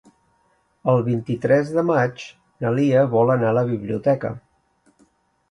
El vint-i-tres de maig na Lia vol anar a la biblioteca.